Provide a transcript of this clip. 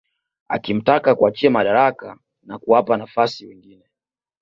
Akimtaka kuachia madaraka na kuwapa nafasi wengine